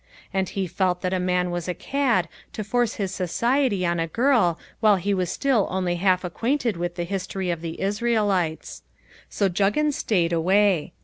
And he felt that a man was a cad to force his society on a girl while he is still only half acquainted with the history of the Israelites. So Juggins stayed away.